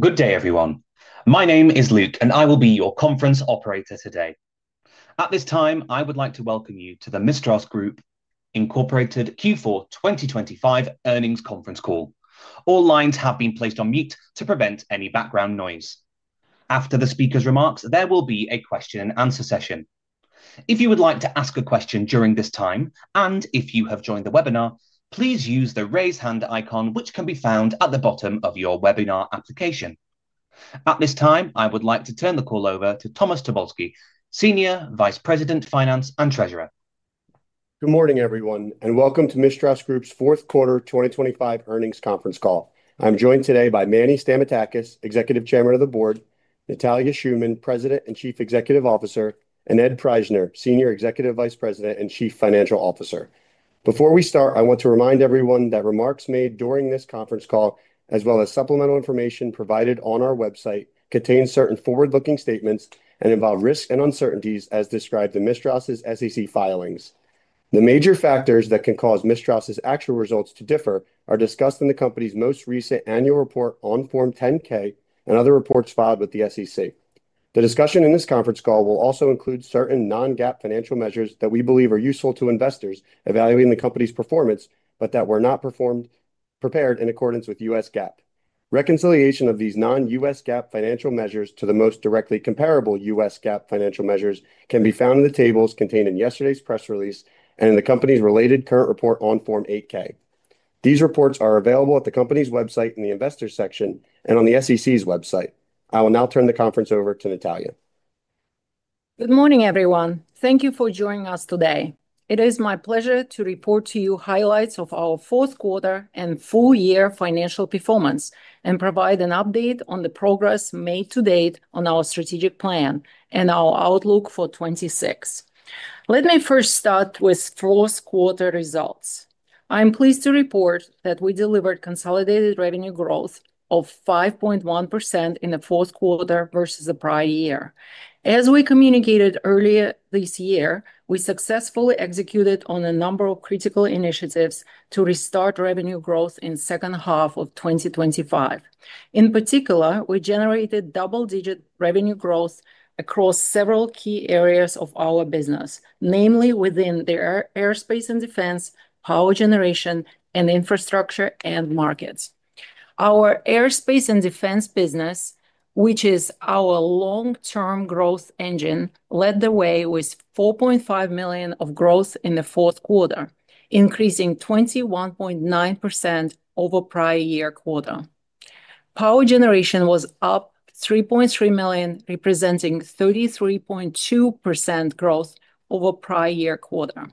Good day, everyone. My name is Luke, and I will be your conference operator today. At this time, I would like to welcome you to the Mistras Group, Inc. Q4 2025 earnings conference call. All lines have been placed on mute to prevent any background noise. After the speaker's remarks, there will be a question and answer session. If you would like to ask a question during this time, and if you have joined the webinar, please use the Raise Hand icon, which can be found at the bottom of your webinar application. At this time, I would like to turn the call over to Thomas Tobolski, Senior Vice President, Finance and Treasurer. Good morning, everyone, and welcome to Mistras Group's fourth quarter 2025 earnings conference call. I'm joined today by Manuel Stamatakis, Executive Chairman of the Board, Natalia Shuman, President and Chief Executive Officer, and Ed Prajzner, Senior Executive Vice President and Chief Financial Officer. Before we start, I want to remind everyone that remarks made during this conference call, as well as supplemental information provided on our website, contain certain forward-looking statements and involve risks and uncertainties as described in Mistras' SEC filings. The major factors that can cause Mistras' actual results to differ are discussed in the company's most recent annual report on Form 10-K and other reports filed with the SEC. The discussion in this conference call will also include certain non-GAAP financial measures that we believe are useful to investors evaluating the company's performance, but that were not prepared in accordance with U.S. GAAP. Reconciliation of these non-U.S. GAAP financial measures to the most directly comparable U.S. GAAP financial measures can be found in the tables contained in yesterday's press release and in the company's related current report on Form 8-K. These reports are available at the company's website in the investor section and on the SEC's website. I will now turn the conference over to Natalia. Good morning, everyone. Thank you for joining us today. It is my pleasure to report to you highlights of our fourth quarter and full year financial performance and provide an update on the progress made to date on our strategic plan and our outlook for 2026. Let me first start with fourth quarter results. I am pleased to report that we delivered consolidated revenue growth of 5.1% in the fourth quarter versus the prior year. As we communicated earlier this year, we successfully executed on a number of critical initiatives to restart revenue growth in second half of 2025. In particular, we generated double-digit revenue growth across several key areas of our business, namely within the air, aerospace and defense, power generation, and infrastructure end markets. Our aerospace and defense business, which is our long-term growth engine, led the way with $4.5 million of growth in the fourth quarter, increasing 21.9% over prior year quarter. Power generation was up $3.3 million, representing 33.2% growth over prior year quarter.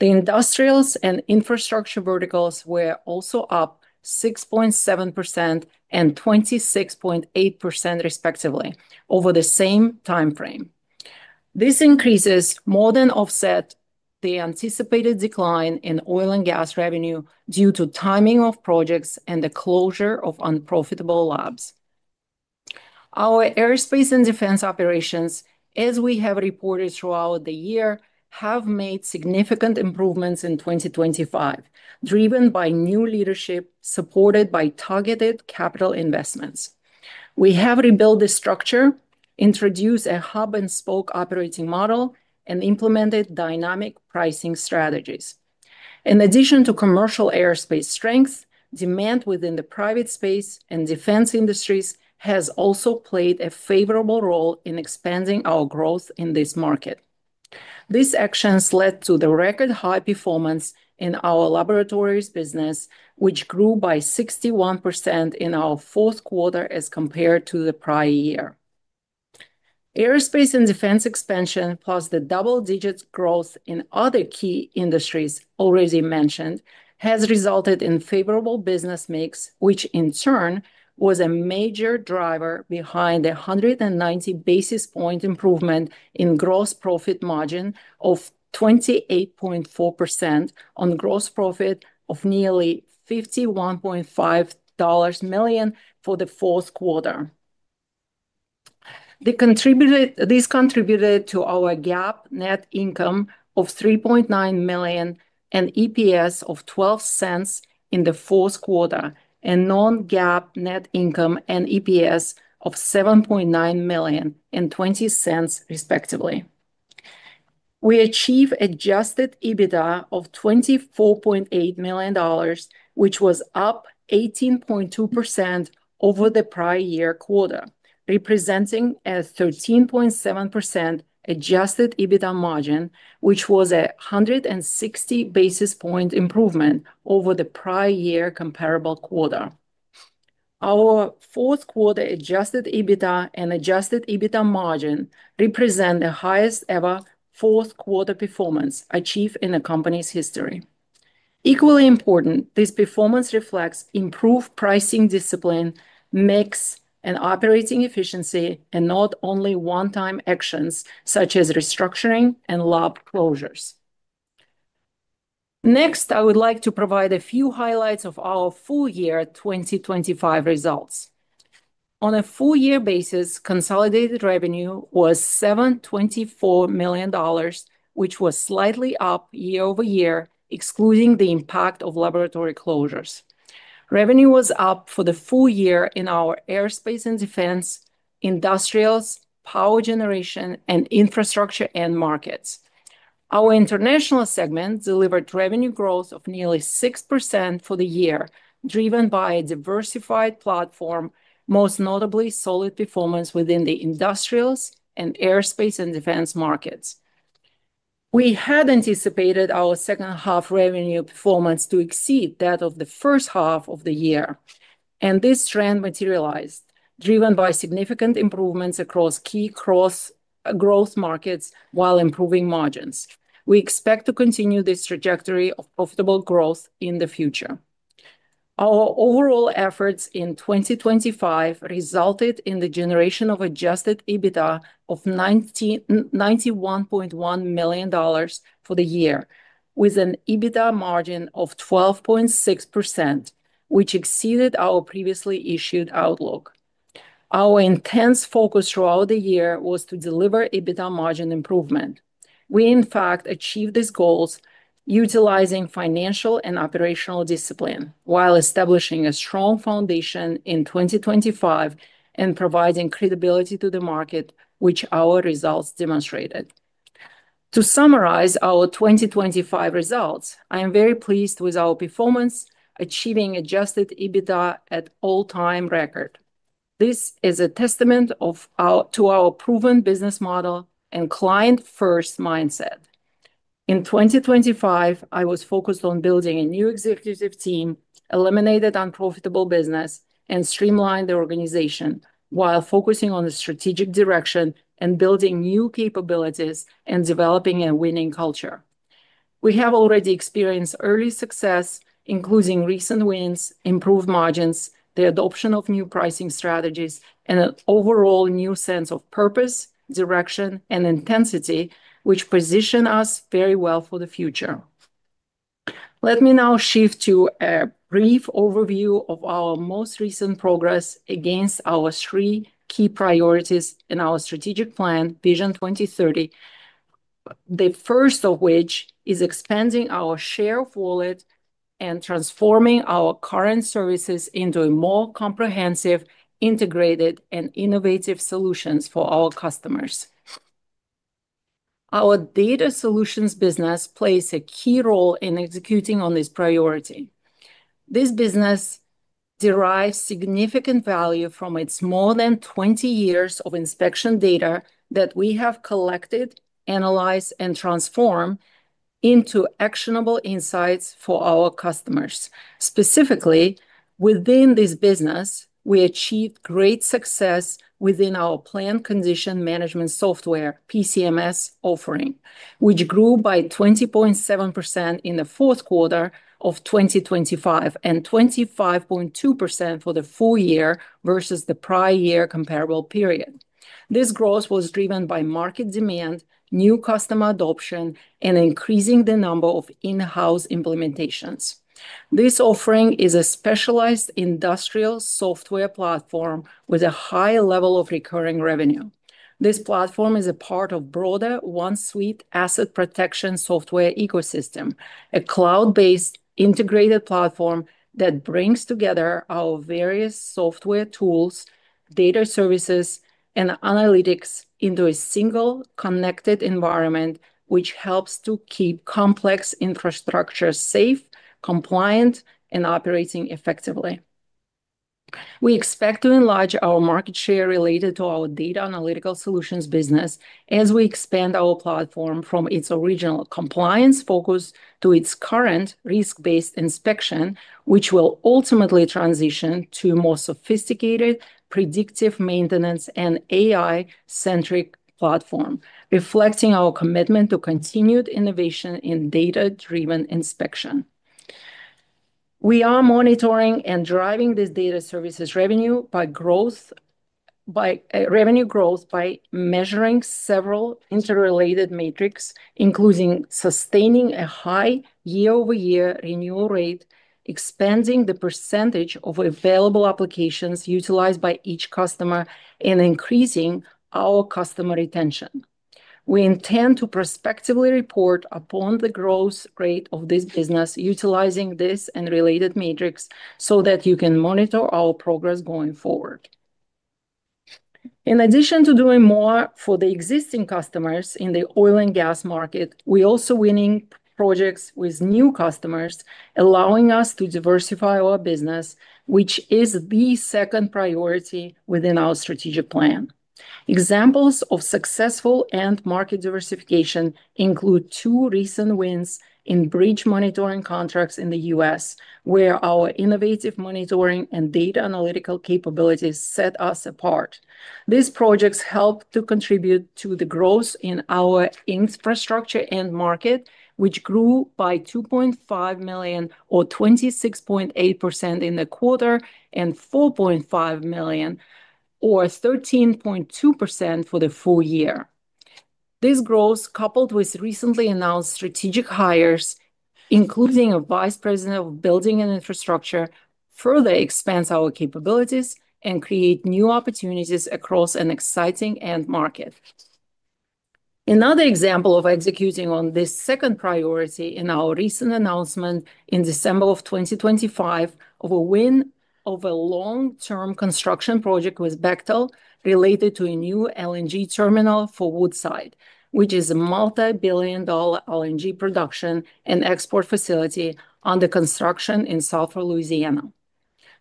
The industrials and infrastructure verticals were also up 6.7% and 26.8% respectively over the same timeframe. These increases more than offset the anticipated decline in oil and gas revenue due to timing of projects and the closure of unprofitable labs. Our aerospace and defense operations, as we have reported throughout the year, have made significant improvements in 2025, driven by new leadership, supported by targeted capital investments. We have rebuilt the structure, introduced a hub and spoke operating model, and implemented dynamic pricing strategies. In addition to commercial aerospace strength, demand within the private space and defense industries has also played a favorable role in expanding our growth in this market. These actions led to the record high performance in our laboratories business, which grew by 61% in our fourth quarter as compared to the prior year. Aerospace and defense expansion, plus the double-digit growth in other key industries already mentioned, has resulted in favorable business mix, which in turn was a major driver behind the 190 basis point improvement in gross profit margin of 28.4% on gross profit of nearly $51.5 million for the fourth quarter. This contributed to our GAAP net income of $3.9 million and EPS of $0.12 in the fourth quarter, and non-GAAP net income and EPS of $7.9 million and $0.20, respectively. We achieved Adjusted EBITDA of $24.8 million, which was up 18.2% over the prior-year quarter, representing a 13.7% Adjusted EBITDA margin, which was 160 basis point improvement over the prior-year comparable quarter. Our fourth quarter Adjusted EBITDA and Adjusted EBITDA margin represent the highest ever fourth quarter performance achieved in the company's history. Equally important, this performance reflects improved pricing discipline, mix, and operating efficiency and not only one-time actions such as restructuring and lab closures. I would like to provide a few highlights of our full year 2025 results. On a full year basis, consolidated revenue was $724 million, which was slightly up year-over-year, excluding the impact of laboratory closures. Revenue was up for the full year in our aerospace and defense, industrials, power generation, and infrastructure markets. Our international segment delivered revenue growth of nearly 6% for the year, driven by a diversified platform, most notably solid performance within the industrials and aerospace and defense markets. This trend materialized, driven by significant improvements across key cross growth markets while improving margins. We expect to continue this trajectory of profitable growth in the future. Our overall efforts in 2025 resulted in the generation of Adjusted EBITDA of $91.1 million for the year, with an EBITDA margin of 12.6%, which exceeded our previously issued outlook. Our intense focus throughout the year was to deliver EBITDA margin improvement. We in fact achieved these goals utilizing financial and operational discipline while establishing a strong foundation in 2025 and providing credibility to the market which our results demonstrated. To summarize our 2025 results, I am very pleased with our performance, achieving Adjusted EBITDA at all-time record. This is a testament to our proven business model and client-first mindset. In 2025, I was focused on building a new executive team, eliminated unprofitable business, and streamlined the organization while focusing on the strategic direction and building new capabilities and developing a winning culture. We have already experienced early success, including recent wins, improved margins, the adoption of new pricing strategies, and an overall new sense of purpose, direction, and intensity which position us very well for the future. Let me now shift to a brief overview of our most recent progress against our three key priorities in our strategic plan, Vision 2030. The first of which is expanding our share wallet and transforming our current services into a more comprehensive, integrated, and innovative solutions for our customers. Our data solutions business plays a key role in executing on this priority. This business derives significant value from its more than 20 years of inspection data that we have collected, analyzed, and transformed into actionable insights for our customers. Specifically, within this business, we achieved great success within our Plant Condition Management Software, PCMS offering, which grew by 20.7% in the fourth quarter of 2025 and 25.2% for the full year versus the prior year comparable period. This growth was driven by market demand, new customer adoption, and increasing the number of in-house implementations. This offering is a specialized industrial software platform with a high level of recurring revenue. This platform is a part of broader OneSUI asset protection software ecosystem, a cloud-based integrated platform that brings together our various software tools, data services, and analytics into a single connected environment, which helps to keep complex infrastructure safe, compliant, and operating effectively. We expect to enlarge our market share related to our data analytical solutions business as we expand our platform from its original compliance focus to its current risk-based inspection, which will ultimately transition to a more sophisticated, predictive maintenance and AI-centric platform, reflecting our commitment to continued innovation in data-driven inspection. We are monitoring and driving this data services revenue growth by measuring several interrelated metrics, including sustaining a high year-over-year renewal rate, expanding the percentage of available applications utilized by each customer, and increasing our customer retention. We intend to prospectively report upon the growth rate of this business utilizing this and related metrics so that you can monitor our progress going forward. In addition to doing more for the existing customers in the oil and gas market, we're also winning projects with new customers, allowing us to diversify our business, which is the second priority within our strategic plan. Examples of successful end market diversification include two recent wins in bridge monitoring contracts in the U.S., where our innovative monitoring and data analytical capabilities set us apart. These projects help to contribute to the growth in our infrastructure end market, which grew by $2.5 million or 26.8% in the quarter and $4.5 million or 13.2% for the full year. This growth, coupled with recently announced strategic hires, including a vice president of building and infrastructure, further expands our capabilities and create new opportunities across an exciting end market. Another example of executing on this second priority in our recent announcement in December of 2025 of a win of a long-term construction project with Bechtel related to a new LNG terminal for Woodside, which is a multi-billion dollar LNG production and export facility under construction in South Louisiana.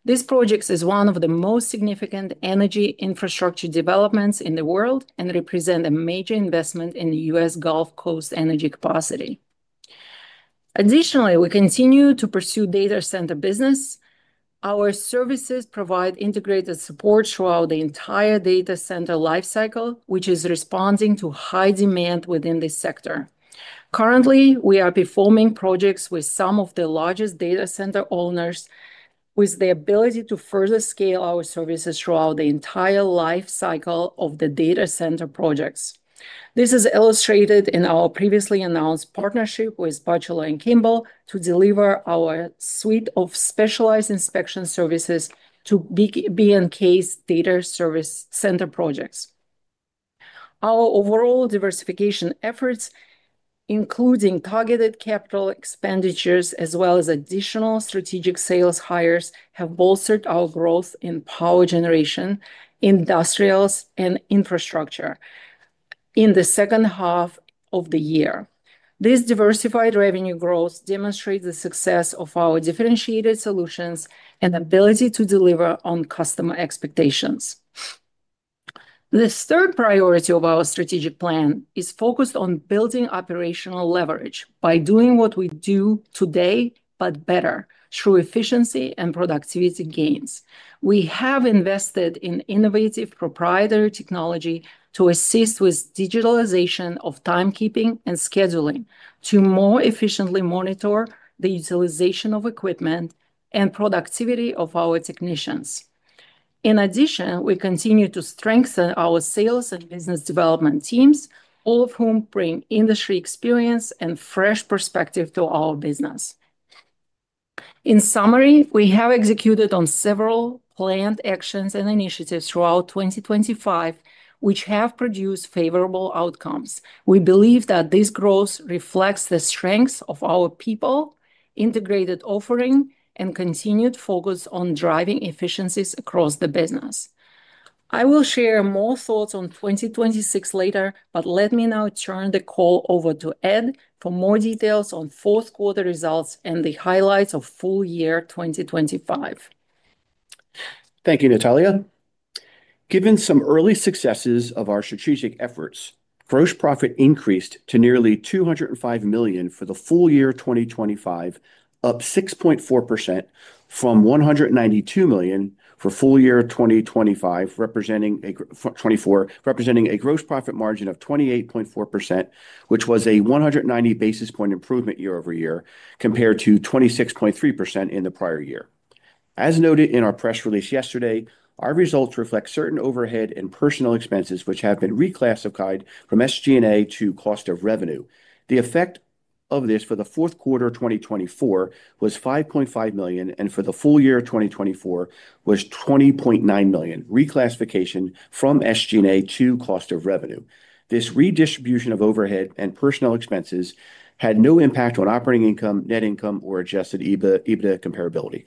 This project is one of the most significant energy infrastructure developments in the world and represent a major investment in the U.S. Gulf Coast energy capacity. Additionally, we continue to pursue data center business. Our services provide integrated support throughout the entire data center life cycle, which is responding to high demand within this sector. Currently, we are performing projects with some of the largest data center owners with the ability to further scale our services throughout the entire life cycle of the data center projects. This is illustrated in our previously announced partnership with Batcheller & Kimball to deliver our suite of specialized inspection services to B&K's data service center projects. Our overall diversification efforts, including targeted capital expenditures as well as additional strategic sales hires, have bolstered our growth in power generation, industrials, and infrastructure in the second half of the year. This diversified revenue growth demonstrates the success of our differentiated solutions and ability to deliver on customer expectations. The third priority of our strategic plan is focused on building operational leverage by doing what we do today but better through efficiency and productivity gains. We have invested in innovative proprietary technology to assist with digitalization of timekeeping and scheduling to more efficiently monitor the utilization of equipment and productivity of our technicians. We continue to strengthen our sales and business development teams, all of whom bring industry experience and fresh perspective to our business. In summary, we have executed on several planned actions and initiatives throughout 2025 which have produced favorable outcomes. We believe that this growth reflects the strengths of our people, integrated offering, and continued focus on driving efficiencies across the business. I will share more thoughts on 2026 later, but let me now turn the call over to Ed for more details on fourth quarter results and the highlights of full year 2025. Thank you, Natalia. Given some early successes of our strategic efforts, gross profit increased to nearly $205 million for the full year 2025, up 6.4% from $192 million for full year 2025, representing 2024, representing a gross profit margin of 28.4%, which was a 190 basis point improvement year-over-year compared to 26.3% in the prior year. As noted in our press release yesterday, our results reflect certain overhead and personal expenses which have been reclassified from SG&A to cost of revenue. The effect of this for the fourth quarter of 2024 was $5.5 million, and for the full year of 2024 was $20.9 million, reclassification from SG&A to cost of revenue. This redistribution of overhead and personnel expenses had no impact on operating income, net income, or Adjusted EBITDA comparability.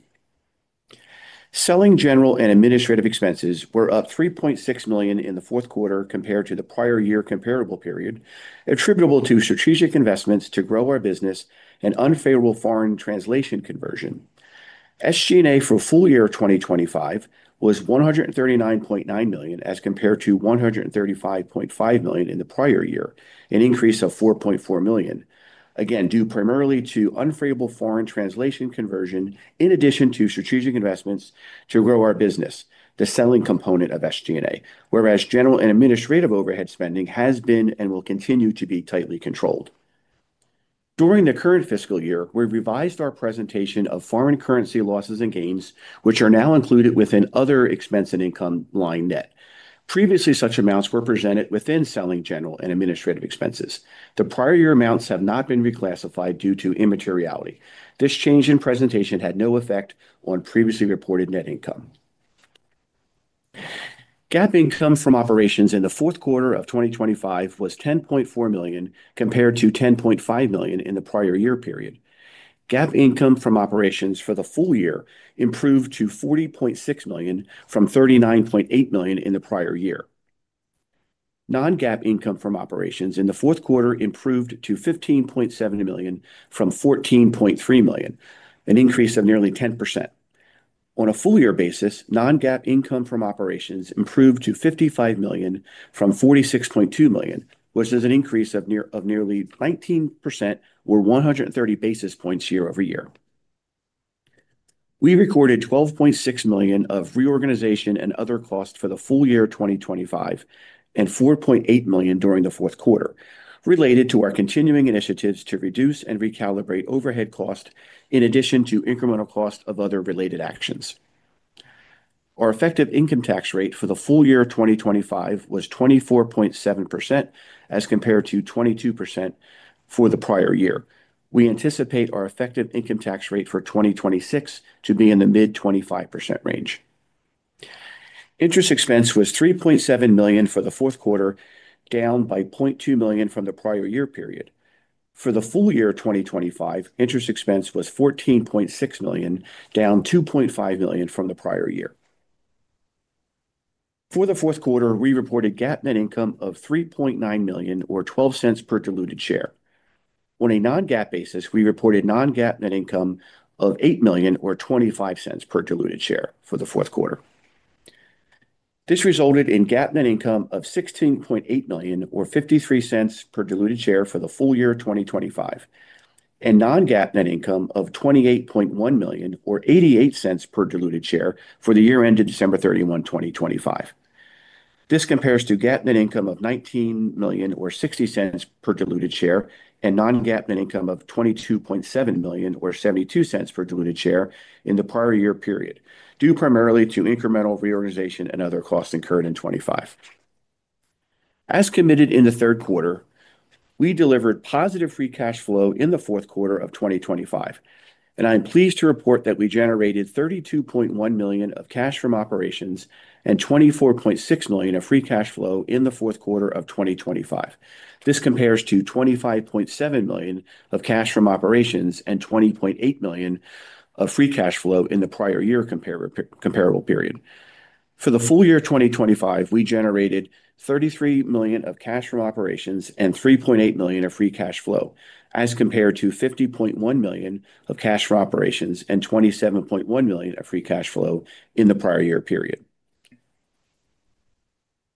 Selling general and administrative expenses were up $3.6 million in the fourth quarter compared to the prior year comparable period, attributable to strategic investments to grow our business and unfavorable foreign translation conversion. SG&A for full year 2025 was $139.9 million as compared to $135.5 million in the prior year, an increase of $4.4 million, again, due primarily to unfavorable foreign translation conversion in addition to strategic investments to grow our business, the selling component of SG&A. General and administrative overhead spending has been and will continue to be tightly controlled. During the current fiscal year, we revised our presentation of foreign currency losses and gains, which are now included within other expense and income line, net. Previously, such amounts were presented within Selling, General and Administrative Expenses. The prior year amounts have not been reclassified due to immateriality. This change in presentation had no effect on previously reported net income. GAAP income from operations in the fourth quarter of 2025 was $10.4 million compared to $10.5 million in the prior year period. GAAP income from operations for the full year improved to $40.6 million from $39.8 million in the prior year. Non-GAAP income from operations in the fourth quarter improved to $15.7 million from $14.3 million, an increase of nearly 10%. On a full year basis, non-GAAP income from operations improved to $55 million from $46.2 million, which is an increase of nearly 19% or 130 basis points year-over-year. We recorded $12.6 million of reorganization and other costs for the full year of 2025 and $4.8 million during the fourth quarter related to our continuing initiatives to reduce and recalibrate overhead cost in addition to incremental cost of other related actions. Our effective income tax rate for the full year of 2025 was 24.7% as compared to 22% for the prior year. We anticipate our effective income tax rate for 2026 to be in the mid-25% range. Interest expense was $3.7 million for the fourth quarter, down by $0.2 million from the prior year period. For the full year of 2025, interest expense was $14.6 million, down $2.5 million from the prior year. For the fourth quarter, we reported GAAP net income of $3.9 million or $0.12 per diluted share. On a non-GAAP basis, we reported non-GAAP net income of $8 million or $0.25 per diluted share for the fourth quarter. This resulted in GAAP net income of $16.8 million or $0.53 per diluted share for the full year of 2025, and non-GAAP net income of $28.1 million or $0.88 per diluted share for the year ended December 31, 2025. This compares to GAAP net income of $19 million or $0.60 per diluted share and non-GAAP net income of $22.7 million or $0.72 per diluted share in the prior year period, due primarily to incremental reorganization and other costs incurred in 2025. As committed in the third quarter, we delivered positive free cash flow in the fourth quarter of 2025. I'm pleased to report that we generated $32.1 million of cash from operations and $24.6 million of free cash flow in the fourth quarter of 2025. This compares to $25.7 million of cash from operations and $20.8 million of free cash flow in the prior year comparable period. For the full year of 2025, we generated $33 million of cash from operations and $3.8 million of free cash flow as compared to $50.1 million of cash from operations and $27.1 million of free cash flow in the prior year period.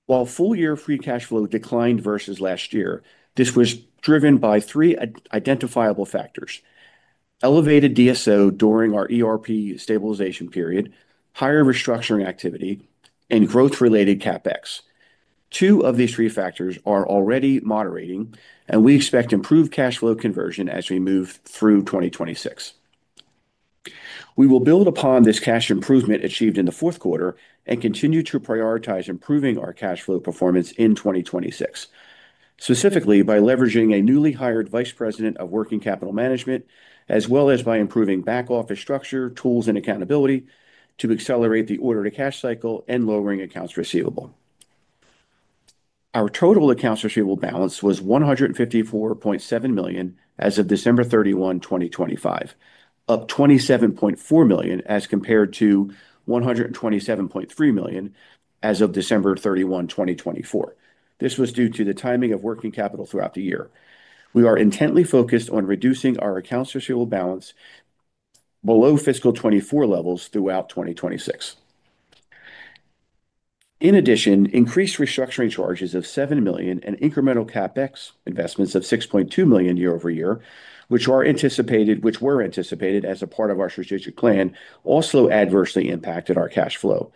While full year free cash flow declined versus last year, this was driven by three identifiable factors: elevated DSO during our ERP stabilization period, higher restructuring activity, and growth-related CapEx. Two of these three factors are already moderating, and we expect improved cash flow conversion as we move through 2026. We will build upon this cash improvement achieved in the fourth quarter and continue to prioritize improving our cash flow performance in 2026, specifically by leveraging a newly hired vice president of working capital management, as well as by improving back-office structure, tools, and accountability to accelerate the order-to-cash cycle and lowering accounts receivable. Our total accounts receivable balance was $154.7 million as of December 31, 2025, up $27.4 million as compared to $127.3 million as of December 31, 2024. This was due to the timing of working capital throughout the year. We are intently focused on reducing our accounts receivable balance below fiscal 2024 levels throughout 2026. Increased restructuring charges of $7 million and incremental CapEx investments of $6.2 million year-over-year, which were anticipated as a part of our strategic plan, also adversely impacted our cash flow.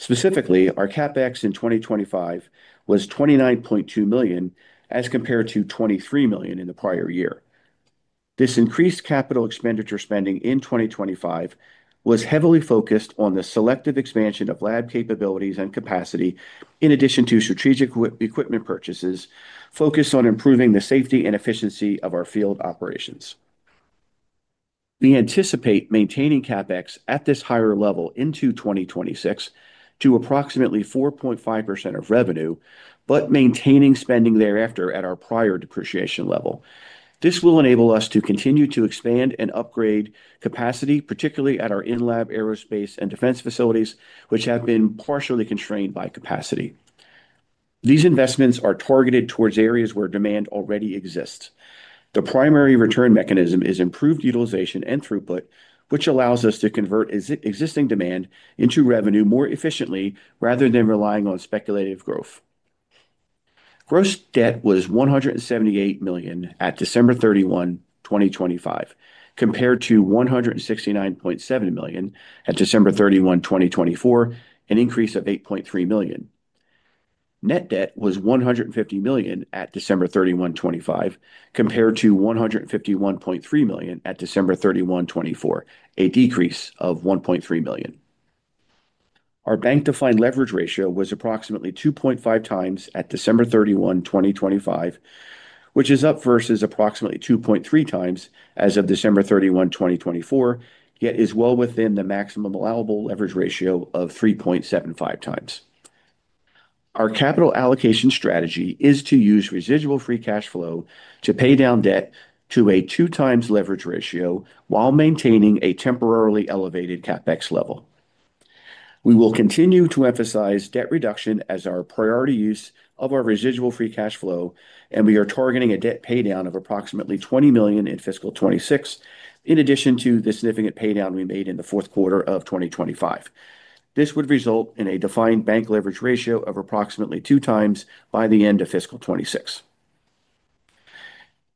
Our CapEx in 2025 was $29.2 million as compared to $23 million in the prior year. This increased capital expenditure spending in 2025 was heavily focused on the selective expansion of lab capabilities and capacity, in addition to strategic equipment purchases focused on improving the safety and efficiency of our field operations. We anticipate maintaining CapEx at this higher level into 2026 to approximately 4.5% of revenue, maintaining spending thereafter at our prior depreciation level. This will enable us to continue to expand and upgrade capacity, particularly at our in-lab aerospace and defense facilities, which have been partially constrained by capacity. These investments are targeted towards areas where demand already exists. The primary return mechanism is improved utilization and throughput, which allows us to convert existing demand into revenue more efficiently, rather than relying on speculative growth. Gross debt was $178 million at December 31, 2025, compared to $169.7 million at December 31, 2024, an increase of $8.3 million. Net debt was $150 million at December 31, 2025, compared to $151.3 million at December 31, 2024, a decrease of $1.3 million. Our bank-defined leverage ratio was approximately 2.5 times at December 31, 2025, which is up versus approximately 2.3 times as of December 31, 2024, yet is well within the maximum allowable leverage ratio of 3.75 times. Our capital allocation strategy is to use residual free cash flow to pay down debt to a 2 times leverage ratio while maintaining a temporarily elevated CapEx level. We will continue to emphasize debt reduction as our priority use of our residual free cash flow, and we are targeting a debt paydown of approximately $20 million in fiscal 2026, in addition to the significant paydown we made in the fourth quarter of 2025. This would result in a defined bank leverage ratio of approximately 2 times by the end of fiscal 2026.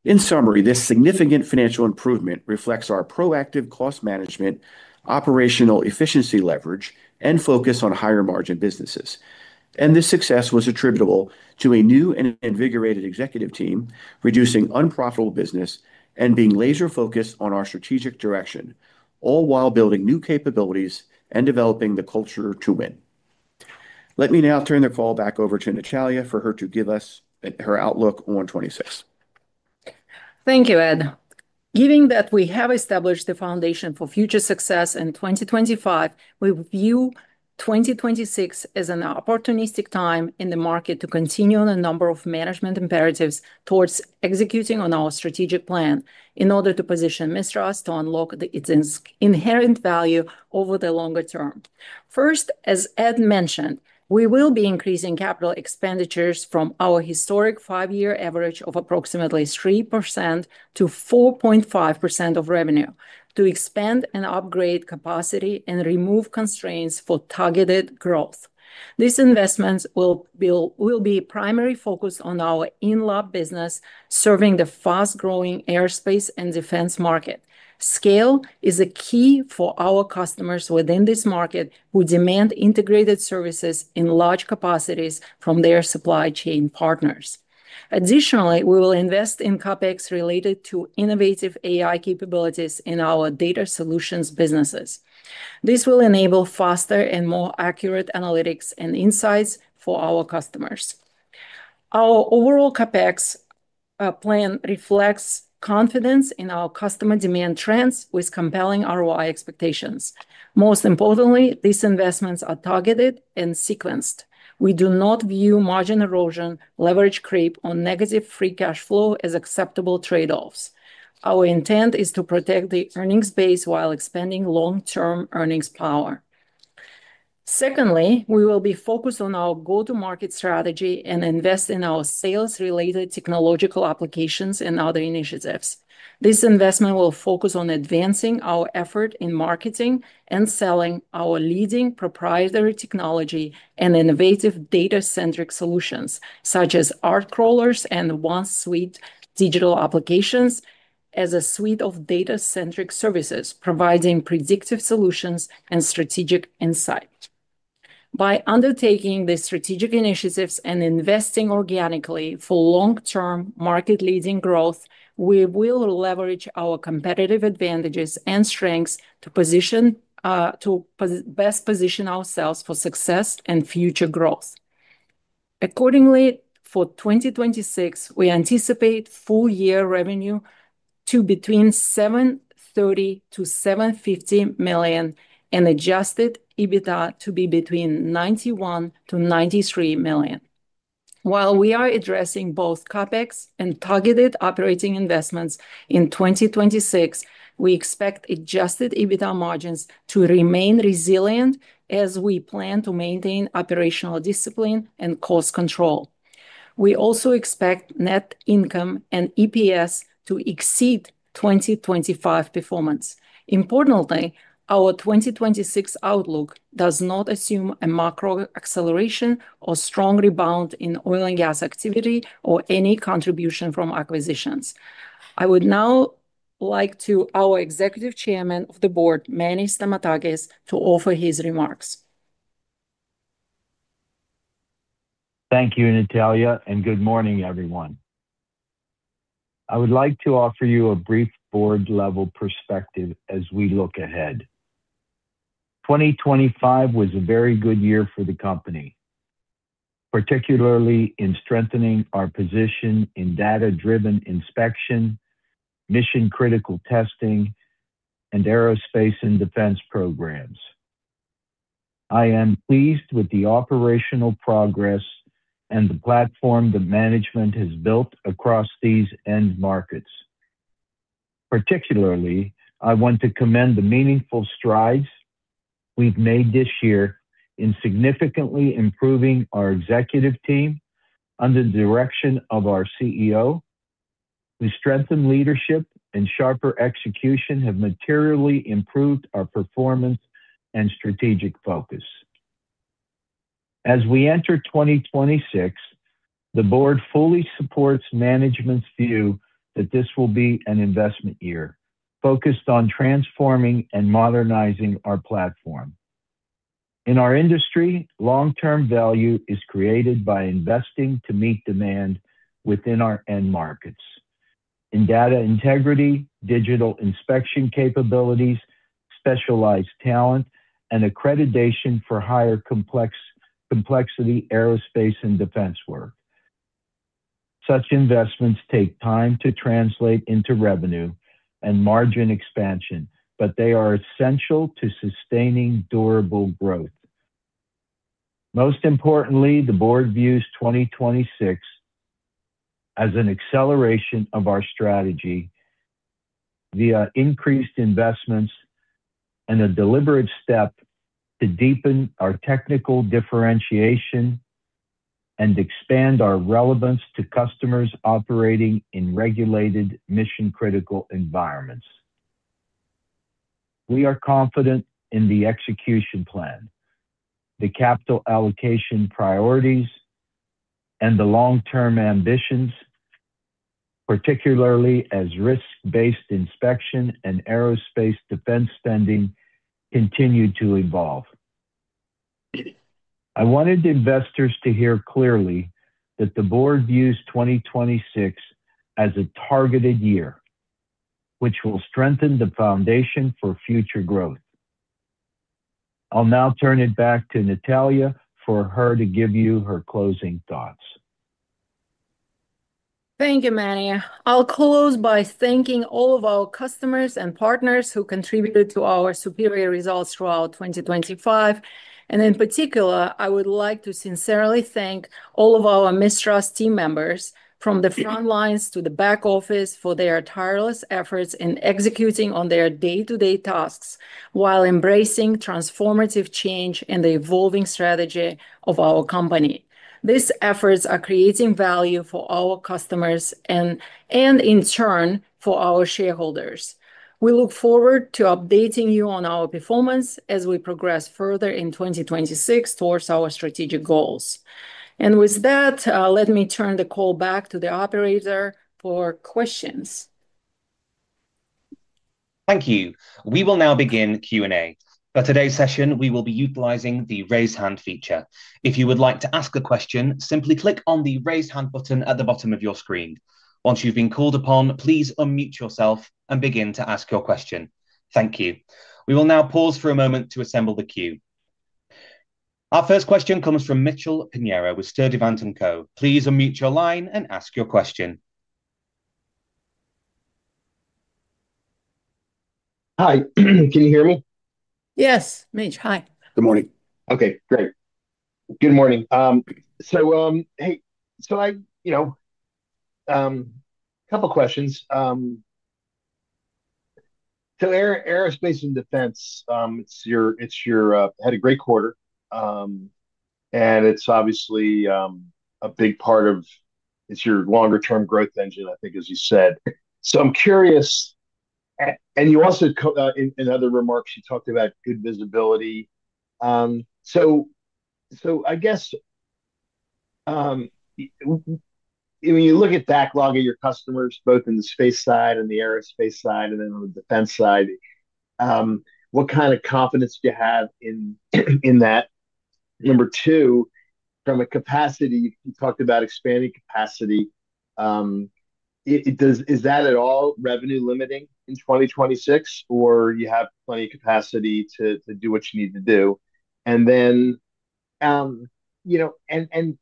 In summary, this significant financial improvement reflects our proactive cost management, operational efficiency leverage, and focus on higher margin businesses. This success was attributable to a new and invigorated executive team, reducing unprofitable business and being laser-focused on our strategic direction, all while building new capabilities and developing the culture to win. Let me now turn the call back over to Natalia for her to give us her outlook on 2026. Thank you, Ed. Given that we have established the foundation for future success in 2025, we view 2026 as an opportunistic time in the market to continue the number of management imperatives towards executing on our strategic plan in order to position Mistras to unlock the its inherent value over the longer term. First, as Ed mentioned, we will be increasing capital expenditures from our historic five-year average of approximately 3% to 4.5% of revenue to expand and upgrade capacity and remove constraints for targeted growth. These investments will be primarily focused on our in-lab business, serving the fast-growing aerospace and defense market. Scale is a key for our customers within this market who demand integrated services in large capacities from their supply chain partners. Additionally, we will invest in CapEx related to innovative AI capabilities in our data solutions businesses. This will enable faster and more accurate analytics and insights for our customers. Our overall CapEx plan reflects confidence in our customer demand trends with compelling ROI expectations. Most importantly, these investments are targeted and sequenced. We do not view margin erosion, leverage creep, or negative free cash flow as acceptable trade-offs. Our intent is to protect the earnings base while expanding long-term earnings power. Secondly, we will be focused on our go-to-market strategy and invest in our sales-related technological applications and other initiatives. This investment will focus on advancing our effort in marketing and selling our leading proprietary technology and innovative data-centric solutions, such as ART Crawlers and OneSUI digital applications as a suite of data-centric services, providing predictive solutions and strategic insight. By undertaking these strategic initiatives and investing organically for long-term market-leading growth, we will leverage our competitive advantages and strengths to best position ourselves for success and future growth. Accordingly, for 2026, we anticipate full year revenue to between $730 million-$750 million and Adjusted EBITDA to be between $91 million-$93 million. While we are addressing both CapEx and targeted operating investments in 2026, we expect Adjusted EBITDA margins to remain resilient as we plan to maintain operational discipline and cost control. We also expect net income and EPS to exceed 2025 performance. Importantly, our 2026 outlook does not assume a macro acceleration or strong rebound in oil and gas activity or any contribution from acquisitions. I would now like to our Executive Chairman of the Board, Manuel Stamatakis, to offer his remarks. Thank you, Natalia, and good morning, everyone. I would like to offer you a brief board-level perspective as we look ahead. 2025 was a very good year for the company, particularly in strengthening our position in data-driven inspection, mission-critical testing, and aerospace and defense programs. I am pleased with the operational progress and the platform that management has built across these end markets. Particularly, I want to commend the meaningful strides we've made this year in significantly improving our executive team under the direction of our CEO. We strengthened leadership and sharper execution have materially improved our performance and strategic focus. As we enter 2026, the board fully supports management's view that this will be an investment year focused on transforming and modernizing our platform. In our industry, long-term value is created by investing to meet demand within our end markets. In data integrity, digital inspection capabilities, specialized talent, and accreditation for higher complexity aerospace and defense work. Such investments take time to translate into revenue and margin expansion, but they are essential to sustaining durable growth. Most importantly, the board views 2026 as an acceleration of our strategy via increased investments and a deliberate step to deepen our technical differentiation and expand our relevance to customers operating in regulated mission-critical environments. We are confident in the execution plan, the capital allocation priorities, and the long-term ambitions, particularly as risk-based inspection and aerospace defense spending continue to evolve. I wanted investors to hear clearly that the board views 2026 as a targeted year, which will strengthen the foundation for future growth. I'll now turn it back to Natalia for her to give you her closing thoughts. Thank you, Manuel. I'll close by thanking all of our customers and partners who contributed to our superior results throughout 2025. In particular, I would like to sincerely thank all of our Mistras team members from the front lines to the back office for their tireless efforts in executing on their day-to-day tasks while embracing transformative change and the evolving strategy of our company. These efforts are creating value for our customers and in turn for our shareholders. We look forward to updating you on our performance as we progress further in 2026 towards our strategic goals. With that, let me turn the call back to the operator for questions. Thank you. We will now begin Q&A. For today's session, we will be utilizing the Raise Hand feature. If you would like to ask a question, simply click on the Raise Hand button at the bottom of your screen. Once you've been called upon, please unmute yourself and begin to ask your question. Thank you. We will now pause for a moment to assemble the queue. Our first question comes from Mitchell Pinheiro with Sturdivant & Co. Please unmute your line and ask your question. Hi, can you hear me? Yes, Mitch, hi. Good morning. Okay, great. Good morning. Hey, so I, you know, couple questions. Aerospace and Defense, it's your had a great quarter, and it's obviously a big part of, it's your longer term growth engine, I think, as you said. I'm curious, and you also in other remarks, you talked about good visibility. I guess, when you look at backlog of your customers, both in the space side and the aerospace side and then on the defense side, what kind of confidence do you have in that? Number two, from a capacity, you talked about expanding capacity. Is that at all revenue limiting in 2026, or you have plenty of capacity to do what you need to do? You know, and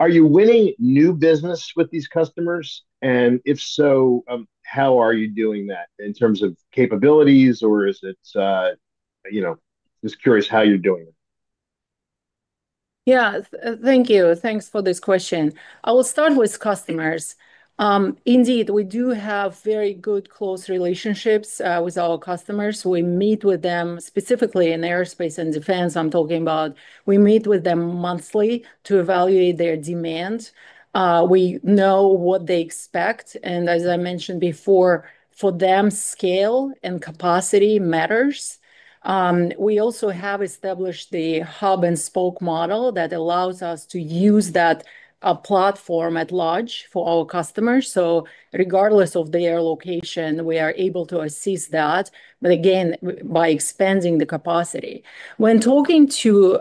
are you winning new business with these customers? If so, how are you doing that in terms of capabilities or is it, you know. Just curious how you're doing it? Yeah. Thank you. Thanks for this question. I will start with customers. Indeed, we do have very good close relationships with our customers. We meet with them specifically in Aerospace and Defense, I'm talking about. We meet with them monthly to evaluate their demand. We know what they expect, and as I mentioned before, for them, scale and capacity matters. We also have established the hub and spoke model that allows us to use that platform at large for our customers. Regardless of their location, we are able to assist that, but again, by expanding the capacity. When talking to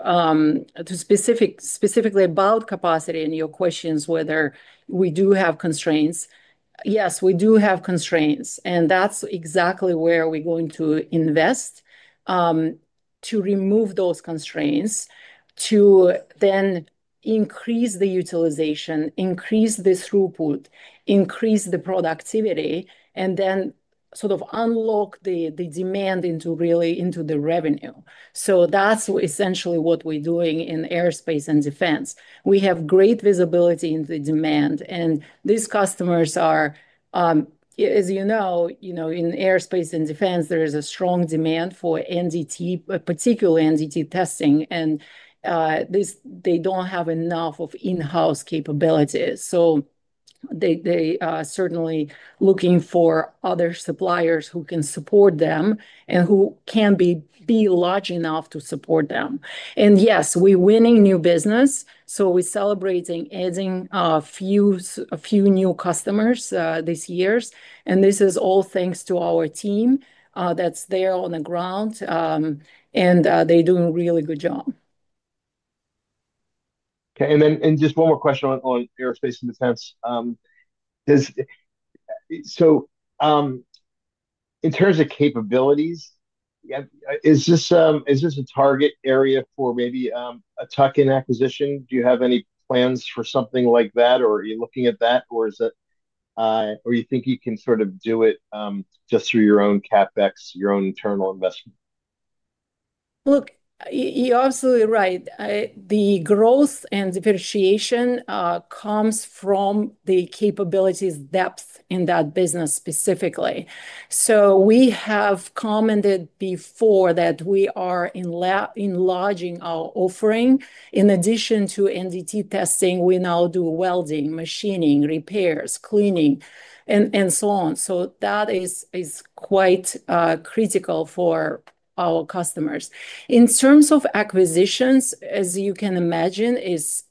specifically about capacity and your questions whether we do have constraints, yes, we do have constraints, and that's exactly where we're going to invest to remove those constraints, to then increase the utilization, increase the throughput, increase the productivity, and then sort of unlock the demand into really, into the revenue. That's essentially what we're doing in Aerospace and Defense. We have great visibility into the demand, and these customers are, as you know, you know, in Aerospace and Defense, there is a strong demand for NDT, particularly NDT testing. They don't have enough of in-house capabilities. They are certainly looking for other suppliers who can support them and who can be large enough to support them. Yes, we're winning new business, so we're celebrating adding a few new customers these years. This is all thanks to our team that's there on the ground, and they're doing a really good job. Okay. Just one more question on Aerospace and Defense. In terms of capabilities, is this a target area for maybe a tuck-in acquisition? Do you have any plans for something like that, or are you looking at that, or is it, you think, you can sort of do it just through your own CapEx, your own internal investment? Look, you're absolutely right. The growth and differentiation comes from the capabilities depth in that business specifically. We have commented before that we are enlarging our offering. In addition to NDT testing, we now do welding, machining, repairs, cleaning, and so on. That is quite critical for our customers. In terms of acquisitions, as you can imagine, is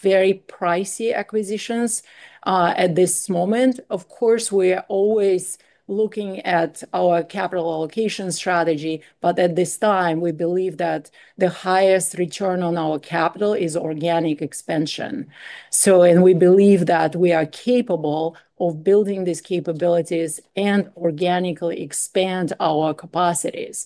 very pricey acquisitions at this moment. Of course, we are always looking at our capital allocation strategy, at this time, we believe that the highest return on our capital is organic expansion. We believe that we are capable of building these capabilities and organically expand our capacities.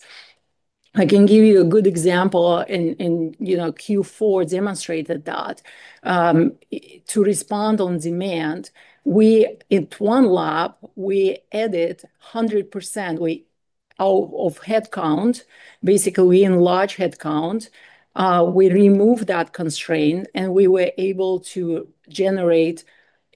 I can give you a good example in, you know, Q4 demonstrated that. To respond on demand, in one lab we added 100%. Of headcount, basically we enlarge headcount. We removed that constraint, and we were able to generate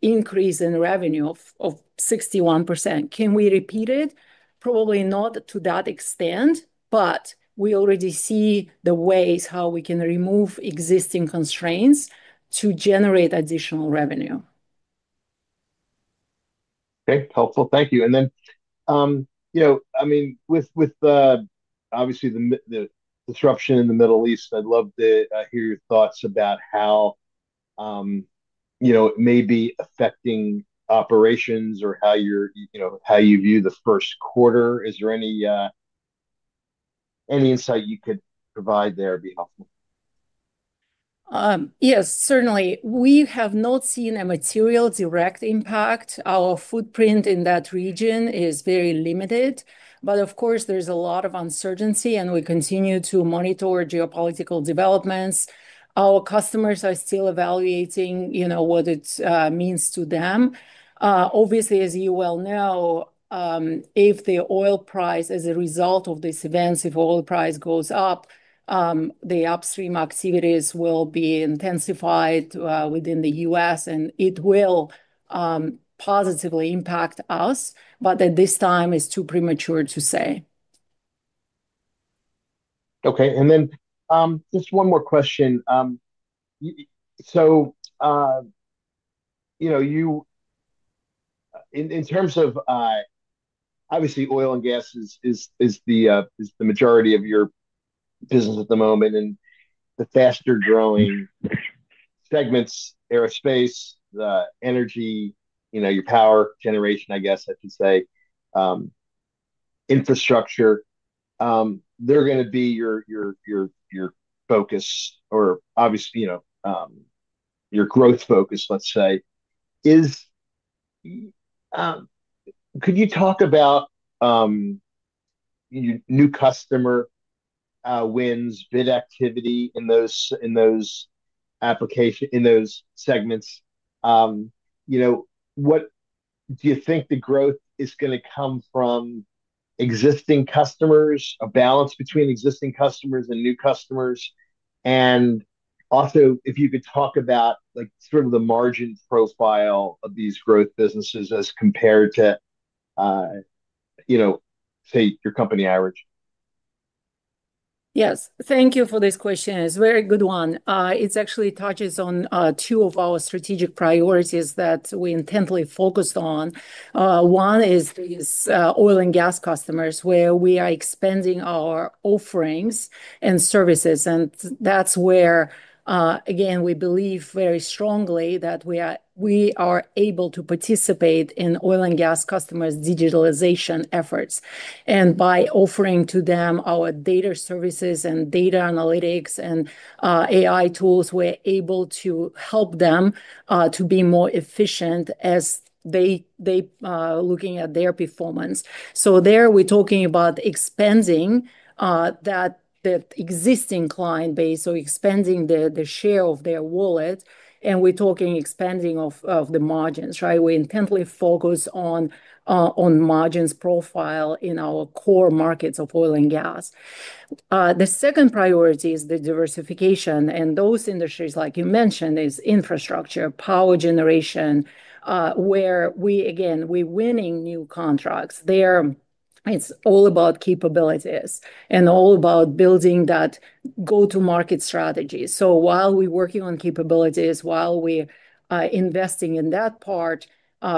increase in revenue of 61%. Can we repeat it? Probably not to that extent, but we already see the ways how we can remove existing constraints to generate additional revenue. Okay. Helpful. Thank you. You know, I mean, with the, obviously the disruption in the Middle East, I'd love to hear your thoughts about how, you know, it may be affecting operations or how you're, you know, how you view the first quarter. Is there any insight you could provide there would be helpful. Yes, certainly. We have not seen a material direct impact. Our footprint in that region is very limited, but of course there's a lot of uncertainty, and we continue to monitor geopolitical developments. Our customers are still evaluating, you know, what it means to them. Obviously, as you well know, if the oil price as a result of these events, if oil price goes up, the upstream activities will be intensified within the U.S. and it will positively impact us. At this time it's too premature to say. Okay. Just one more question. You know, in terms of, obviously oil and gas is the majority of your business at the moment, and the faster growing segments, aerospace, the energy, you know, your power generation I guess I should say, infrastructure, they're gonna be your focus or obviously, you know, your growth focus, let's say. Could you talk about new customer wins, bid activity in those application, in those segments? You know, do you think the growth is gonna come from existing customers, a balance between existing customers and new customers? Also if you could talk about, like, sort of the margin profile of these growth businesses as compared to, you know, say, your company average. Yes. Thank you for this question. It's very good one. It's actually touches on two of our strategic priorities that we intently focused on. One is these oil and gas customers where we are expanding our offerings and services. That's where, again, we believe very strongly that we are able to participate in oil and gas customers' digitalization efforts. By offering to them our data services and data analytics and AI tools, we're able to help them to be more efficient as they looking at their performance. So there we're talking about expanding that, the existing client base, so expanding the share of their wallet, and we're talking expanding of the margins, right? We intently focus on margins profile in our core markets of oil and gas. The second priority is the diversification. Those industries, like you mentioned, is infrastructure, power generation, where we, again, winning new contracts. There it's all about capabilities and all about building that go-to market strategy. While we're working on capabilities, while we, investing in that part,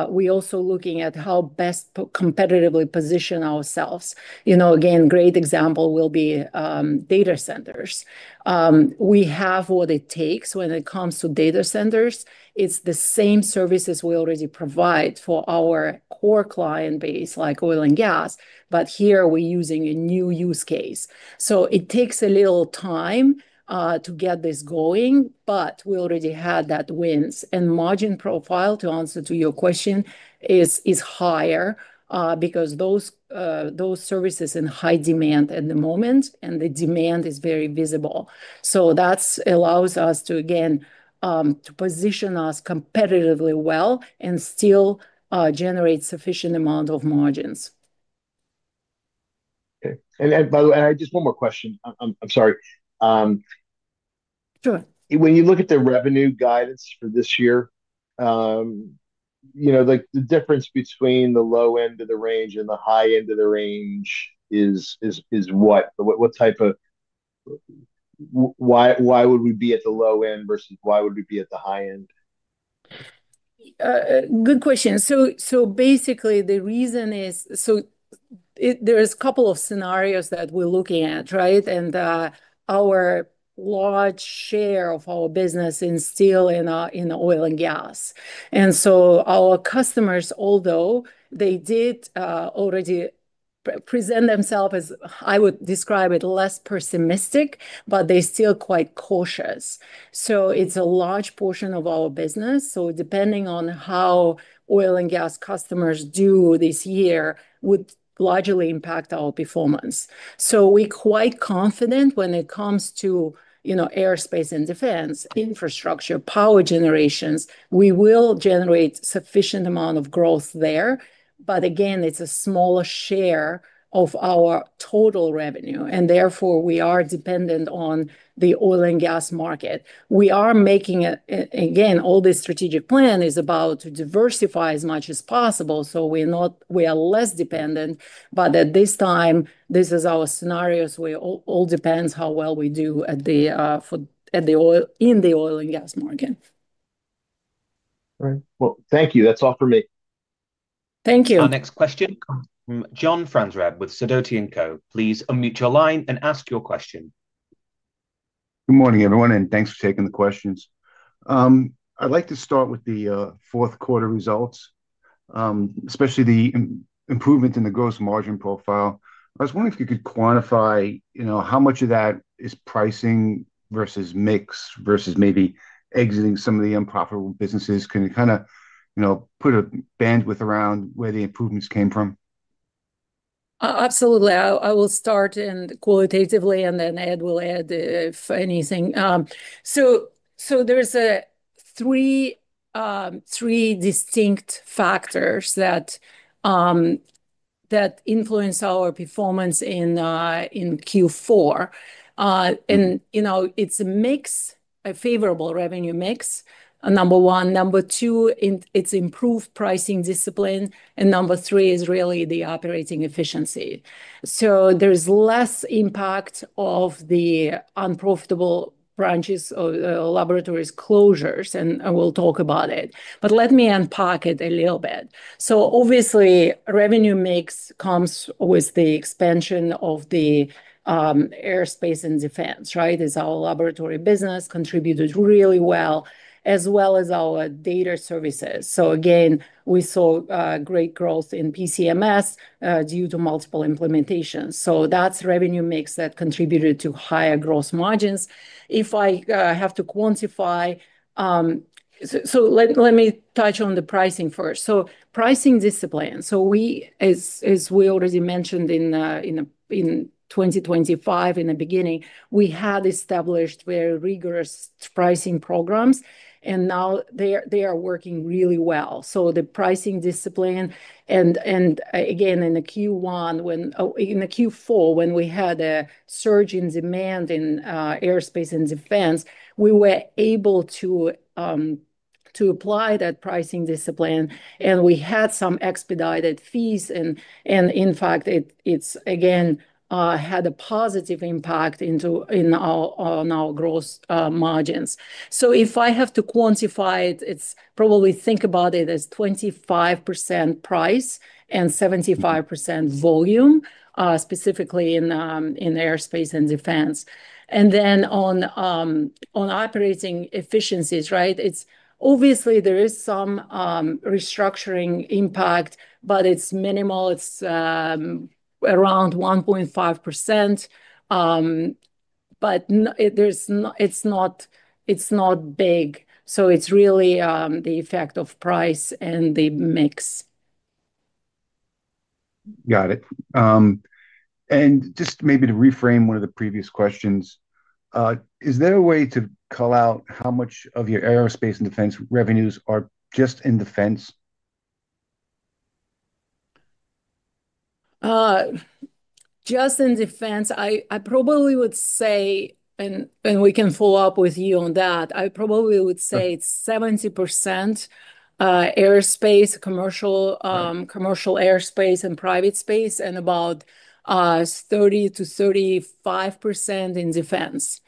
we also looking at how best to competitively position ourselves. You know, again, great example will be, data centers. We have what it takes when it comes to data centers. It's the same services we already provide for our core client base, like oil and gas, but here we're using a new use case. It takes a little time, to get this going, but we already had that wins. Margin profile, to answer to your question, is higher, because those services in high demand at the moment and the demand is very visible. That's allows us to again, to position us competitively well and still, generate sufficient amount of margins. Okay. And by the way, just one more question. I'm sorry. Sure. When you look at the revenue guidance for this year, you know, like, the difference between the low end of the range and the high end of the range is what? What type of... why would we be at the low end versus why would we be at the high end? Good question. Basically, the reason is. There is a couple of scenarios that we're looking at, right? Our large share of our business in steel and in oil and gas. Our customers, although they did present themselves as I would describe it, less pessimistic, but they're still quite cautious. It's a large portion of our business, so depending on how oil and gas customers do this year would largely impact our performance. We're quite confident when it comes to, you know, airspace and defense, infrastructure, power generations, we will generate sufficient amount of growth there. Again, it's a smaller share of our total revenue, and therefore we are dependent on the oil and gas market. We are making, again, all this strategic plan is about to diversify as much as possible, so we are less dependent. At this time, this is our scenarios where all depends how well we do in the oil and gas market. Right. Well, thank you. That's all for me. Thank you. Our next question comes from John Franzreb with Sidoti & Co. Please unmute your line and ask your question. Good morning, everyone, thanks for taking the questions. I'd like to start with the fourth quarter results, especially the improvement in the gross margin profile. I was wondering if you could quantify, you know, how much of that is pricing versus mix versus maybe exiting some of the unprofitable businesses. Can you kind of, you know, put a bandwidth around where the improvements came from? absolutely. I will start and qualitatively, and then Ed will add if anything. There's three distinct factors that influence our performance in Q4. You know, it's a mix, a favorable revenue mix, number one. Number two, it's improved pricing discipline, and number three is really the operating efficiency. There's less impact of the unprofitable branches or laboratories closures, and I will talk about it. Let me unpack it a little bit. Obviously, revenue mix comes with the expansion of the airspace and defense, right? As our laboratory business contributed really well, as well as our data services. Again, we saw great growth in PCMS due to multiple implementations. That's revenue mix that contributed to higher gross margins. If I have to quantify... Let me touch on the pricing first. Pricing discipline. As we already mentioned in 2025, in the beginning, we had established very rigorous pricing programs, and now they are working really well. The pricing discipline and again, in the Q4, when we had a surge in demand in aerospace and defense, we were able to apply that pricing discipline, and we had some expedited fees and in fact, it's again had a positive impact on our gross margins. If I have to quantify it's probably think about it as 25% price and 75% volume, specifically in aerospace and defense. Then on operating efficiencies, right? It's obviously there is some restructuring impact, but it's minimal. It's around 1.5%, but it's not big. It's really the effect of price and the mix. Got it. Just maybe to reframe one of the previous questions, is there a way to call out how much of your aerospace and defense revenues are just in defense? Just in defense, I probably would say, and we can follow up with you on that. I probably would say. Sure... it's 70% aerospace, commercial. Right... commercial airspace and private space, and about 30%-35% in defense.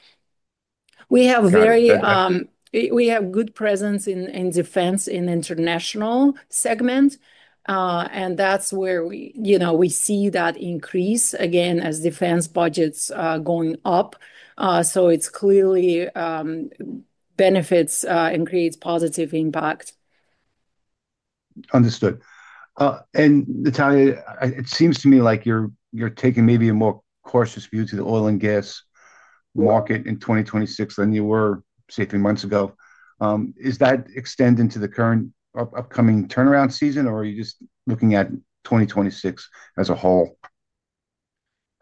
Got it. Okay.... we have good presence in defense in international segment. That's where we, you know, we see that increase again as defense budgets are going up. It's clearly benefits and creates positive impact. Understood. Natalia, it seems to me like you're taking maybe a more cautious view to the oil and gas market in 2026 than you were, say, three months ago. Is that extending to the current upcoming turnaround season, or are you just looking at 2026 as a whole?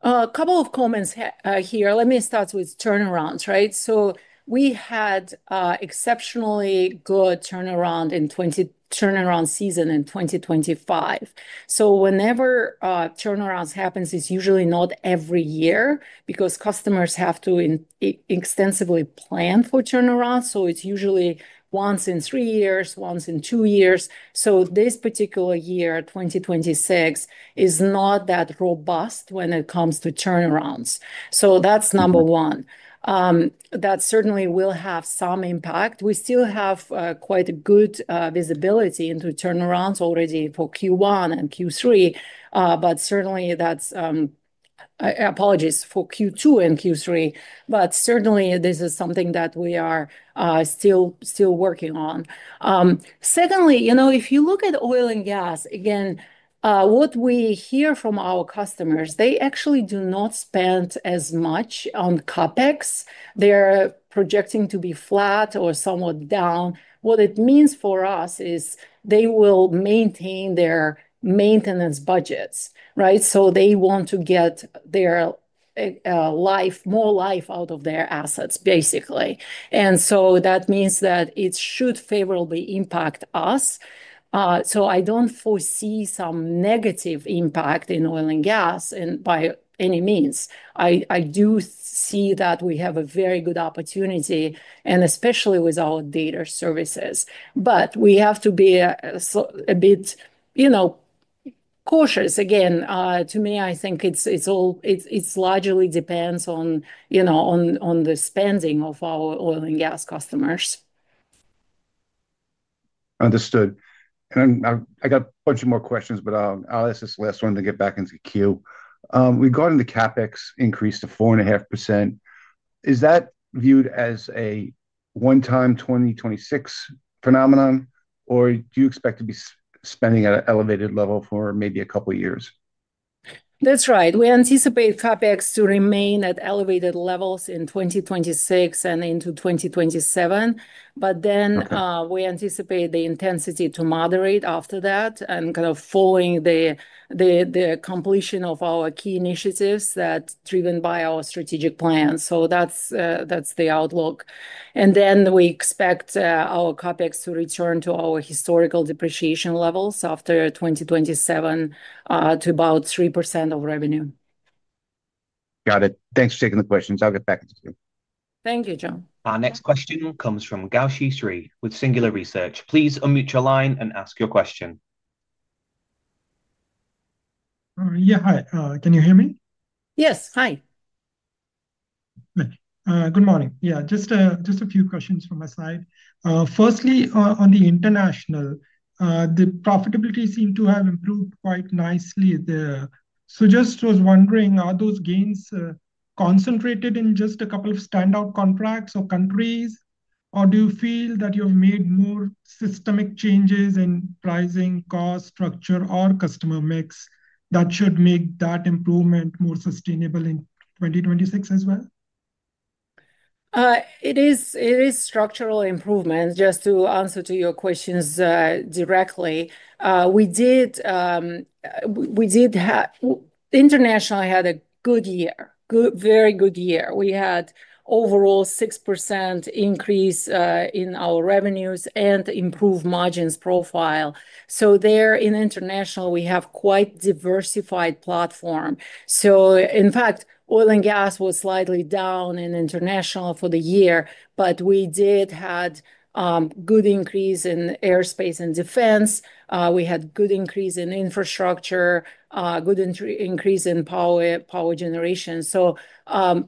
A couple of comments here. Let me start with turnarounds, right? We had exceptionally good turnaround season in 2025. Whenever turnarounds happens, it's usually not every year because customers have to in-extensively plan for turnaround, so it's usually once in 3 years, once in 2 years. This particular year, 2026, is not that robust when it comes to turnarounds. That's number one. That certainly will have some impact. We still have quite good visibility into turnarounds already for Q1 and Q3, but certainly that's, apologies for Q2 and Q3, but certainly this is something that we are still working on. Secondly, you know, if you look at oil and gas, again, what we hear from our customers, they actually do not spend as much on CapEx. They're projecting to be flat or somewhat down. What it means for us is they will maintain their maintenance budgets, right? They want to get their life, more life out of their assets, basically. That means that it should favorably impact us. I don't foresee some negative impact in oil and gas and by any means. I do see that we have a very good opportunity and especially with our data services. We have to be a bit, you know, cautious. Again, to me, I think it's largely depends on, you know, on the spending of our oil and gas customers. Understood. I got a bunch of more questions, but I'll ask this last one to get back into queue. Regarding the CapEx increase to 4.5%, is that viewed as a one-time 2026 phenomenon, or do you expect to be spending at an elevated level for maybe a couple of years? That's right. We anticipate CapEx to remain at elevated levels in 2026 and into 2027. Okay... we anticipate the intensity to moderate after that and kind of following the completion of our key initiatives that's driven by our strategic plan. That's the outlook. We expect our CapEx to return to our historical depreciation levels after 2027, to about 3% of revenue. Got it. Thanks for taking the questions. I'll get back into queue. Thank you, John. Our next question comes from Gowshihan Sriharan with Singular Research. Please unmute your line and ask your question. Yeah. Hi, can you hear me? Yes. Hi. Good. Good morning. Yeah, just a few questions from my side. Firstly, on the international, the profitability seemed to have improved quite nicely there. Just was wondering, are those gains, concentrated in just a couple of standout contracts or countries, or do you feel that you've made more systemic changes in pricing, cost structure or customer mix that should make that improvement more sustainable in 2026 as well? It is, it is structural improvement, just to answer to your questions directly. International had a good year. Good. Very good year. We had overall 6% increase in our revenues and improved margins profile. There in international we have quite diversified platform. In fact, oil and gas was slightly down in international for the year, but we did had good increase in airspace and defense. We had good increase in infrastructure, good increase in power generation.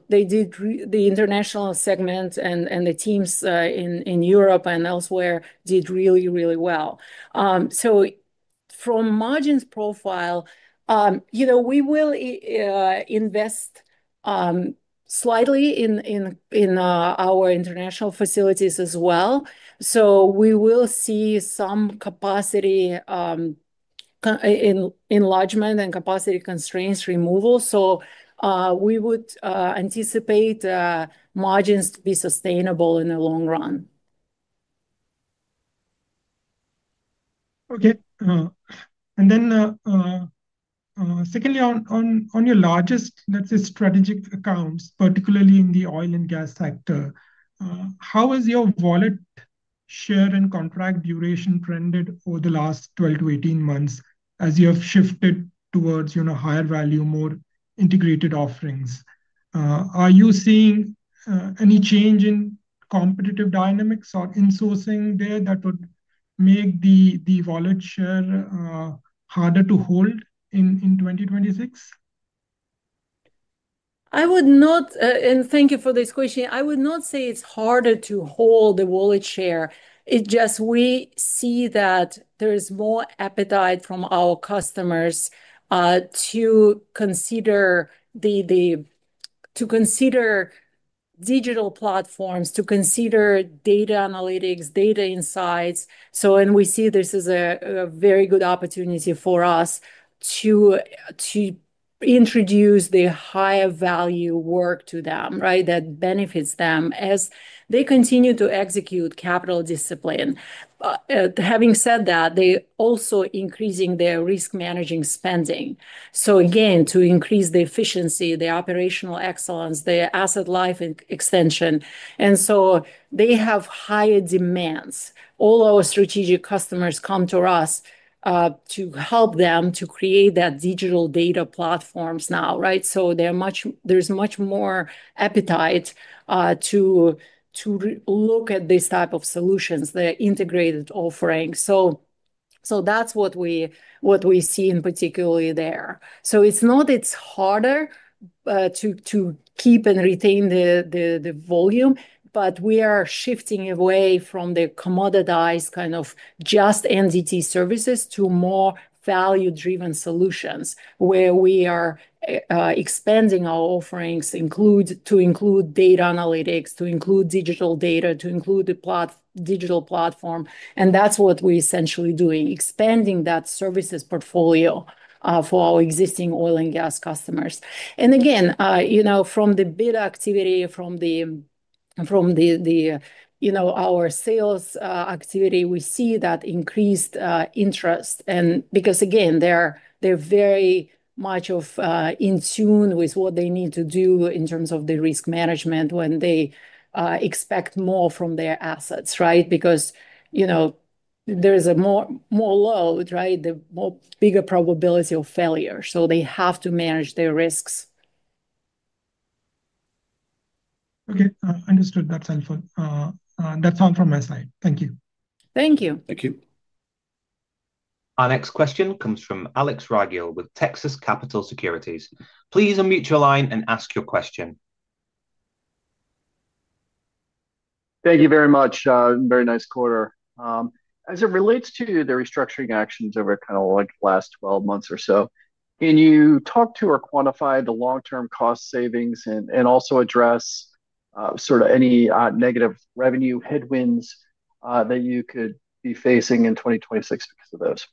They did the international segment and the teams in Europe and elsewhere did really, really well. From margins profile, you know, we will invest slightly in our international facilities as well. We will see some capacity enlargement and capacity constraints removal. We would anticipate margins to be sustainable in the long run. Okay. Then, secondly, on your largest, let's say, strategic accounts, particularly in the oil and gas sector, how has your wallet share and contract duration trended over the last 12 to 18 months as you have shifted towards, you know, higher value, more integrated offerings? Are you seeing any change in competitive dynamics or insourcing there that would make the wallet share harder to hold in 2026? I would not, and thank you for this question. I would not say it's harder to hold the wallet share. It just we see that there is more appetite from our customers to consider digital platforms, to consider data analytics, data insights. We see this as a very good opportunity for us to introduce the higher value work to them, right? That benefits them as they continue to execute capital discipline. Having said that, they're also increasing their risk managing spending. again, to increase the efficiency, the operational excellence, the asset life extension. They have higher demands. All our strategic customers come to us to help them to create that digital data platforms now, right? They're much more appetite to look at these type of solutions, the integrated offerings. That's what we, what we see in particularly there. It's not it's harder to keep and retain the volume, but we are shifting away from the commoditized kind of just integrity services to more value-driven solutions where we are expanding our offerings include, to include data analytics, to include digital data, to include the digital platform. That's what we're essentially doing, expanding that services portfolio for our existing oil and gas customers. Again, you know, from the bid activity, from the, you know, our sales activity, we see that increased interest and because again, they're very much of, in tune with what they need to do in terms of the risk management when they expect more from their assets, right? You know, there is a more load, right? The more bigger probability of failure, so they have to manage their risks. Okay. Understood. That's helpful. That's all from my side. Thank you. Thank you. Thank you. Our next question comes from Alex Rygiel with Texas Capital Securities. Please unmute your line and ask your question. Thank you very much. very nice quarter. As it relates to the restructuring actions over kind of like the last 12 months or so, can you talk to or quantify the long-term cost savings and also address, sort of any, negative revenue headwinds, that you could be facing in 2026 because of those?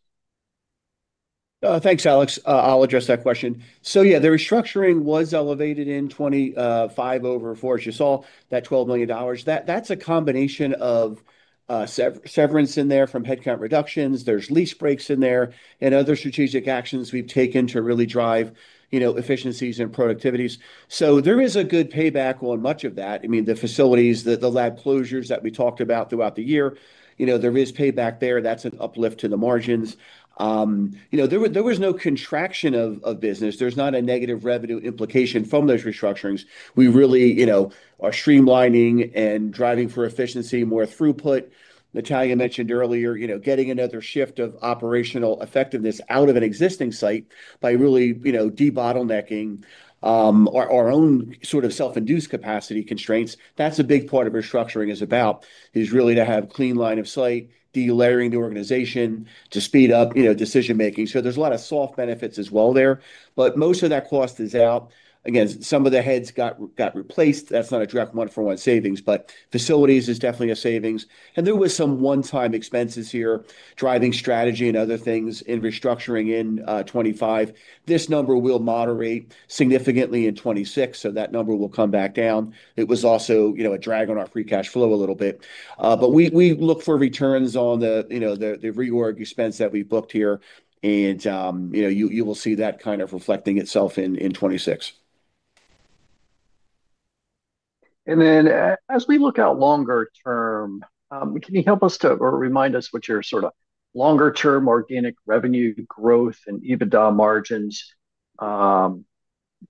Thanks, Alex. I'll address that question. Yeah, the restructuring was elevated in 20, five over four. As you saw, that $12 million, that's a combination of severance in there from headcount reductions. There's lease breaks in there and other strategic actions we've taken to really drive, you know, efficiencies and productivities. There is a good payback on much of that. I mean, the facilities, the lab closures that we talked about throughout the year, you know, there is payback there. That's an uplift to the margins. you know, there was no contraction of business. There's not a negative revenue implication from those restructurings. We really, you know, are streamlining and driving for efficiency, more throughput. Natalia mentioned earlier, you know, getting another shift of operational effectiveness out of an existing site by really, you know, de-bottlenecking our own sort of self-induced capacity constraints. That's a big part of restructuring is really to have clean line of sight, delayering the organization to speed up, you know, decision-making. There's a lot of soft benefits as well there, but most of that cost is out. Again, some of the heads got replaced. That's not a direct one-for-one savings. Facilities is definitely a savings, and there was some one-time expenses here driving strategy and other things in restructuring in 2025. This number will moderate significantly in 2026, that number will come back down. It was also, you know, a drag on our free cash flow a little bit. We look for returns on the, you know, the reward expense that we booked here and, you know, you will see that kind of reflecting itself in 2026. As we look out longer term, can you help us to or remind us what your sort of longer term organic revenue growth and EBITDA margins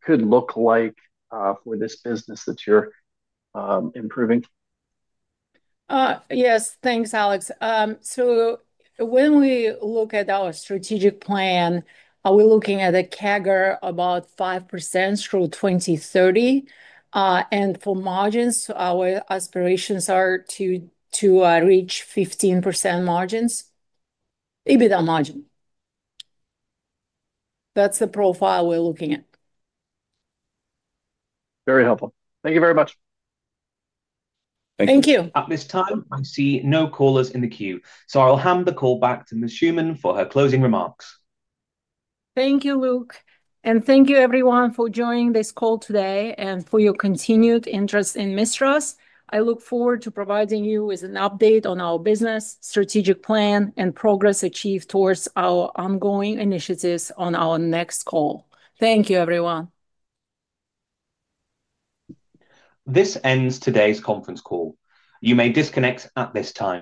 could look like for this business that you're improving? Yes. Thanks, Alex Rygiel. When we look at our strategic plan, are we looking at a CAGR about 5% through 2030. For margins, our aspirations are to reach 15% margins, EBITDA margin. That's the profile we're looking at. Very helpful. Thank you very much. Thank you. At this time, I see no callers in the queue, so I'll hand the call back to Ms. Shuman for her closing remarks. Thank you, Luke, and thank you everyone for joining this call today and for your continued interest in Mistras. I look forward to providing you with an update on our business, strategic plan, and progress achieved towards our ongoing initiatives on our next call. Thank you, everyone. This ends today's conference call. You may disconnect at this time.